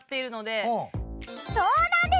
そうなんです！